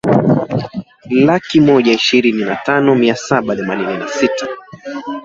laki moja ishirini na tano mia saba themanini na sita